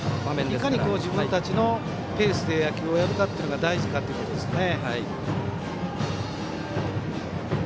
いかに自分たちのペースで野球をやるかというのが大事かっていうことですよね。